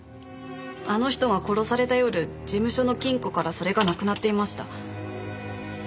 あの人が殺された夜事務所の金庫からそれがなくなっていました。